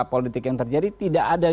politik yang terjadi tidak ada